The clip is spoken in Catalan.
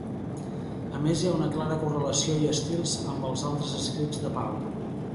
A més hi ha una clara correlació i estil amb els altres escrits de Pau.